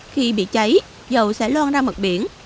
khi bị cháy dầu sẽ loan ra mặt biển